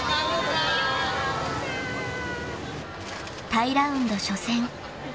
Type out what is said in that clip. ［タイラウンド初戦］